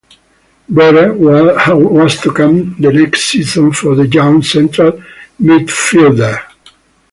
Better was to come the next season for the young central midfielder.